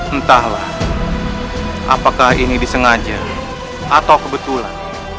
entahlah apakah ini disengaja atau kebetulan